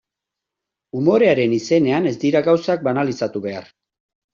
Umorearen izenean ez dira gauzak banalizatu behar.